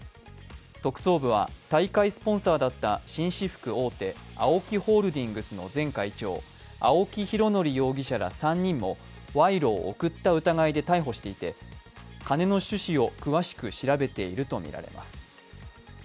特捜部は大会スポンサーだった紳士服大手ＡＯＫＩホールディングス前会長、青木拡憲容疑者ら３人も賄賂を贈った疑いで逮捕していて金の趣旨を詳しく調べているとみられます。